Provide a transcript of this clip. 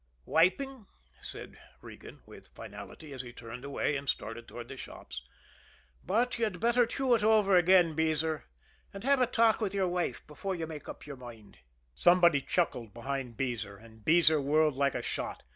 "Wiping," said Regan with finality, as he turned away and started toward the shops; "but you'd better chew it over again, Beezer, and have a talk with your wife before you make up your mind." Somebody chuckled behind Beezer and Beezer whirled like a shot.